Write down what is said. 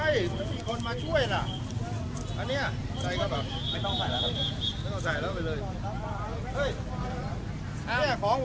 ท่านก็ไม่เจอนานอนครับ